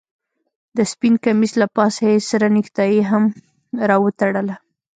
د سپين کميس له پاسه يې سره نيكټايي هم راوتړله.